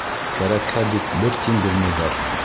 Кәрәкһә бит, бер тин бирмәйҙәр!